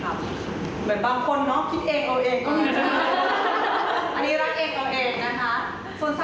เหมือนบางคนเนาะคิดเองเอาเองก็มีอันนี้รักเองเอาเองนะคะ